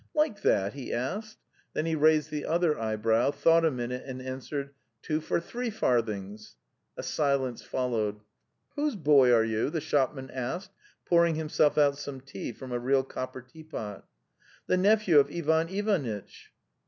" Like that?" he asked. Then he raised the other eyebrow, thought a min ute, and answered: '"' Two for three farthings. ... A silence followed. '" Whose boy are you?" the shopman asked, pour ing himself out some tea from a red copper teapot. "The nephew of Ivan Ivanitch."